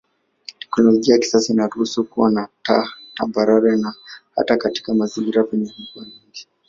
Teknolojia ya kisasa inaruhusu kuwa na taa tambarare hata katika mazingira penye mvua nyingi.